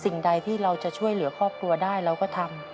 สิ่งใดที่เราจะช่วยเหลือครอบครัวได้เราก็ทำ